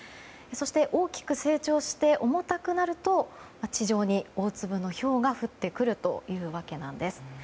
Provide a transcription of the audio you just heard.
そして、大きく成長して重たくなると地上に大粒のひょうが降ってくるというわけなんです。